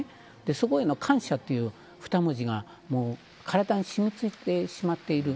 そこへの感謝という２文字が体に染みついてしまっている。